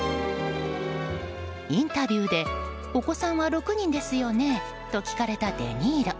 インタビューでお子さんは６人ですよね？と聞かれたデ・ニーロ。